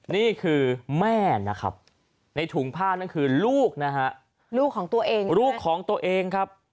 นี่คือแม่นะครับในถุงผ้านั่นคือลูกนะฮะลูกของตัวเองลูกของตัวเองครับ